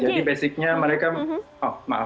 jadi basicnya mereka oh maaf